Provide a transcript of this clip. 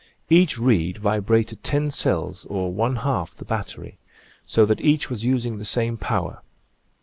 Each reed vibrated ten cells, or one half the battery, so that each was using the same power.